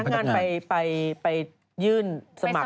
ก็จะให้พนักงานไปยื่นสมัคร